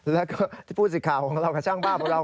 แล้วก็ผู้สิทธิ์ข่าวของเรา